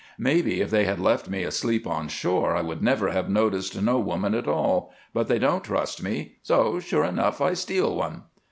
Maybe if they had left me asleep on shore I would never have noticed no woman at all. But they don't trust me, so, sure enough I steal one."